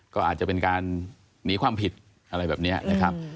ก็อาจจะเป็นการหนีความผิดอะไรแบบนี้นะครับ